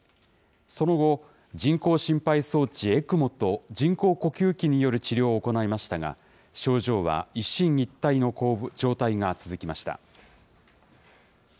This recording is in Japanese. その後、人工心肺装置・ＥＣＭＯと人工呼吸器による治療を行いましたが、症状は一進一退の状態が続きました。